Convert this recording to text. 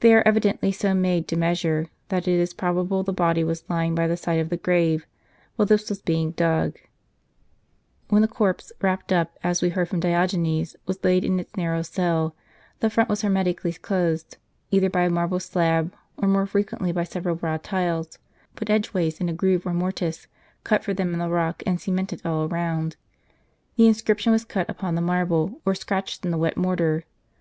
They are evidently so made to measure, that it is probable the body was lying by the side of the grave, while this was being dug. * That is, the red volcanic sand called puzzolana, so much prized for making Roman cement. irtfb When the corpse, wrapped up, as we heard from Diogenes, was laid in its narrow cell, the front was hermetically closed either by a marble slab, or more frequently by several broad tiles, put edgeways in a groove or mortice, cut for them in the rock, and cemented all round. The inscription was cut upon the marble, or scratched in the wet mortar.